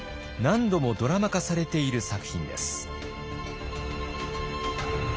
何度もドラマ化されている作品です。